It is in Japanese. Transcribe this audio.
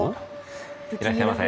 いらっしゃいませ。